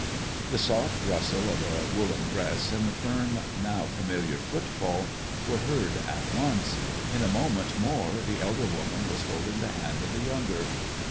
The soft rustle of a woolen dress, and the firm, now familiar footfall, were heard at once. In a moment more the elder woman was holding the hand of the younger.